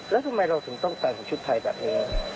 แล้วทำไมเราถึงต้องแต่งชุดไทยแบบนี้